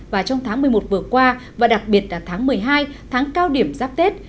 và trong tháng một mươi một vừa qua và đặc biệt là tháng một mươi hai tháng cao điểm giáp tết